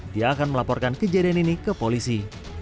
dia akan melaporkan kejadian ini ke polisi